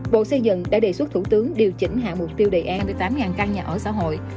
bộ xây dựng đã đề xuất thủ tướng điều chỉnh hạ mục tiêu đề án hai mươi tám căn nhà ở xã hội